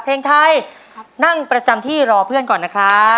เพลงไทยนั่งประจำที่รอเพื่อนก่อนนะครับ